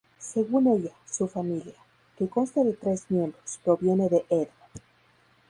Según ella, su familia, que consta de tres miembros, proviene de Edo.